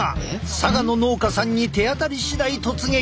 佐賀の農家さんに手当たりしだい突撃。